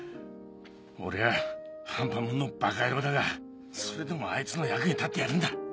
俺は半端もんのバカ野郎だがそれでもあいつの役に立ってやるんだ。